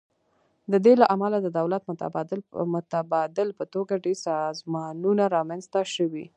د دې له امله د دولت متبادل په توګه ډیر سازمانونه رامینځ ته شوي.